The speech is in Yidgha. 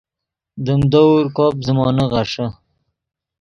دیم دور کوب زیمونے غیݰے